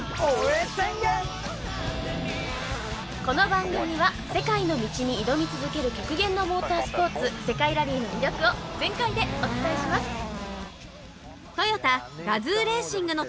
この番組は世界の道に挑み続ける極限のモータースポーツ世界ラリーの魅力を全開でお伝えします。